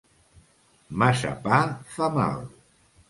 Massa pa fa mal.